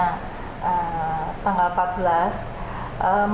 membuat pengusaha tersebut yang akan diberlakukan rencananya tanggal empat belas